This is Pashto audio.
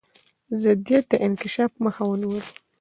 ضدیت د انکشاف مخه ونیوله.